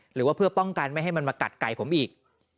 หรือว่าเพื่อป้องกันไม่ให้มันมากัดไก่ผมอีก